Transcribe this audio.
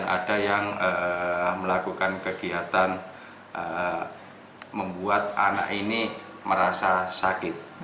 ada yang melakukan kegiatan membuat anak ini merasa sakit